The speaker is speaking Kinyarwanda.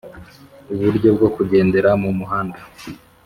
uburyo bwo kugendera mu muhanda,